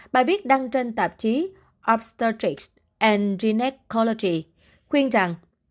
bài viết đăng trên tạp chí obstetrics and gynecology khuyên rằng